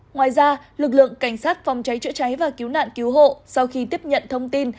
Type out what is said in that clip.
ngoài ra lực lượng cảnh sát phòng cháy chữa cháy và cứu nạn cứu hộ sau khi tiếp nhận thông tin